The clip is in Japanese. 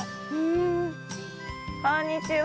あっこんにちは。